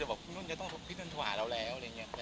ว่าพี่นุ่นจะต้องพูดถึงตัวเราแล้ว